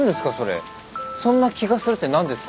そんな気がするって何ですか？